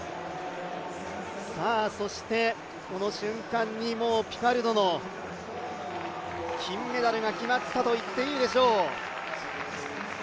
そして、この瞬間にもうピカルドの金メダルが決まったと言っていいでしょう。